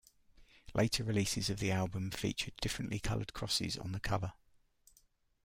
Later releases of the album featured differently colored crosses on the cover.